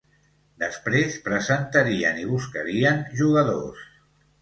Després presentarien i buscarien jugadors.